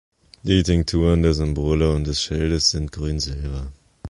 Die Tinkturen der Symbole und des Schildes sind Grün-Silber.